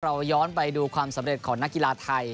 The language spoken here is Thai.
เราย้อนไปดูความสำเร็จของนักกีฬาไทย